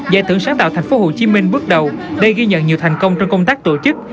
giải thưởng sáng tạo tp hcm bước đầu đã ghi nhận nhiều thành công trong công tác tổ chức